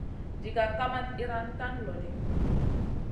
Diga kamat iyran tan loɗi.